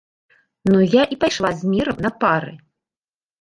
Ну я і пайшла з мірам на пары.